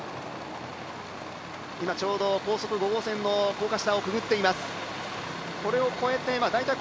高速５号線の高架下をくぐっています。